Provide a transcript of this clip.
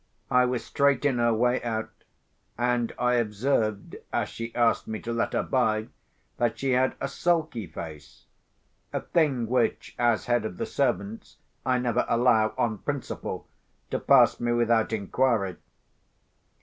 I was straight in her way out; and I observed, as she asked me to let her by, that she had a sulky face—a thing which, as head of the servants, I never allow, on principle, to pass me without inquiry.